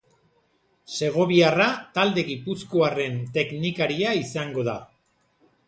Segoviarra talde gipuzkoarren teknikaria izango da.